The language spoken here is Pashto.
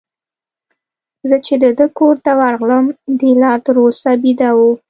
زه چي د ده کور ته ورغلم، دی لا تر اوسه بیده وو.